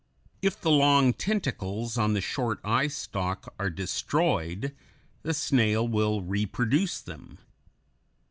If the long tentacles on the short eye stalk are destroyed, the snail will reproduce them.